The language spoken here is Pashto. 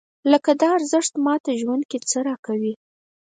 لکه دا ارزښت ماته ژوند کې څه راکوي؟